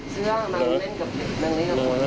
เชื่องนางเล่นกับนางเล่นกับผัวเลี้ยน